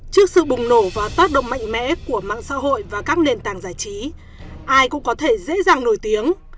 trước sự bùng nổ và tác động mạnh mẽ của mạng xã hội và các nền tảng giải trí ai cũng có thể dễ dàng nổi tiếng